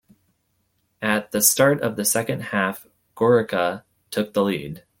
At the start of the second half, Gorica took the lead.